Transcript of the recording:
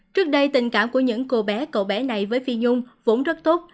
trước đây tình cảm của những cô bé cậu bé này với phi nhung vốn rất tốt